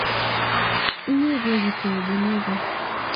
Inyegei kityo Ebeneza